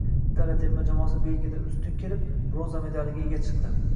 Italiya terma jamoasi Belgiyadan ustun kelib, bronza medaliga ega chiqdi